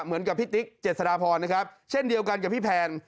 เหมือนกับพี่ติ๊กเจษฎาพรนะครับเช่นเดียวกันกับพี่แพน